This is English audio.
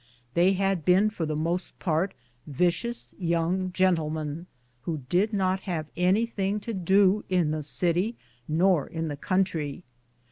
They had been for the most part vi cious young gentlemen, who did not have anything to do in the city nor in the coun try.